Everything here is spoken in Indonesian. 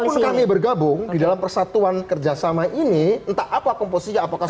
kalaupun kami bergabung di dalam persatuan kerjasama ini entah apa komposisi apakah